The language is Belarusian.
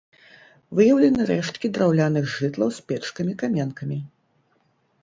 Выяўлены рэшткі драўляных жытлаў з печкамі-каменкамі.